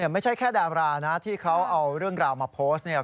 ไม่ใช่แค่ดารานะที่เขาเอาเรื่องราวมาโพสต์เนี่ย